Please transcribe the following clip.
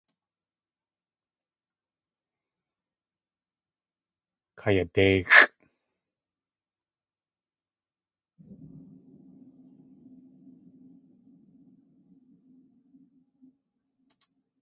Kayadéixʼ.